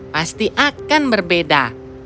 pasti akan berbeda